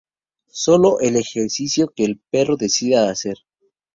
Sólo el ejercicio que el perro decida hacer.